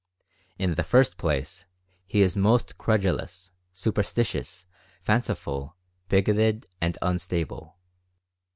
In the first place, he is most credulous, superstitious, fanciful, bigoted, and unstable.